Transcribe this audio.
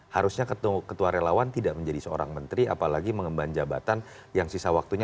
harusnya ketua relawan tidak menjadi seorang menteri apalagi mengemban jabatan yang sisa waktunya